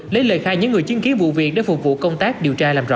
lấy lời khai những người chứng kiến vụ việc để phục vụ công tác điều tra làm rõ